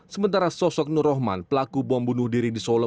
sementara sosok nur rohman pelaku bom bunuh diri di solo